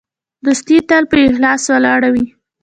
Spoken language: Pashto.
دوستي تل په اخلاص ولاړه وي.